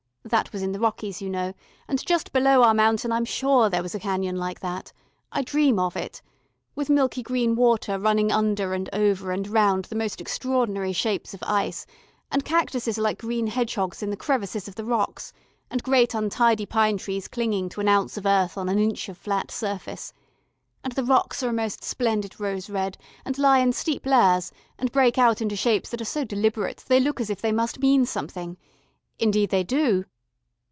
That was in the Rockies, you know, and just below our mountain I am sure there was a canyon like that I dream of it with milky green water running under and over and round the most extraordinary shapes of ice, and cactuses like green hedgehogs in the crevices of the rocks, and great untidy pine trees clinging to an ounce of earth on an inch of flat surface. And the rocks are a most splendid rose red, and lie in steep layers, and break out into shapes that are so deliberate, they look as if they must mean something. Indeed they do...."